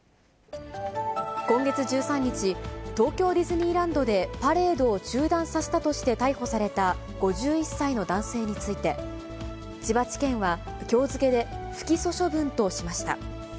今月１３日、東京ディズニーランドでパレードを中断させたとして逮捕された５１歳の男性について、千葉地検はきょう付けで不起訴処分としました。